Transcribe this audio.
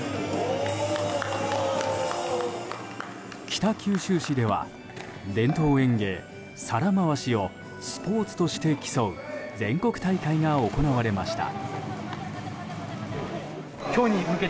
北九州市では伝統演芸、皿回しをスポーツとして競う全国大会が行われました。